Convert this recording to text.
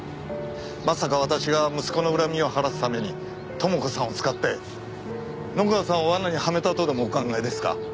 まさか私が息子の恨みを晴らすために朋子さんを使って野川さんを罠にはめたとでもお考えですか？